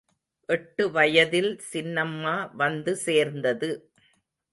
எட்டு வயதில் சின்னம்மா வந்து சேர்ந்தது.